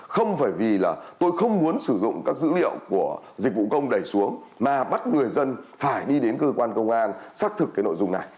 không phải vì là tôi không muốn sử dụng các dữ liệu của dịch vụ công đẩy xuống mà bắt người dân phải đi đến cơ quan công an xác thực cái nội dung này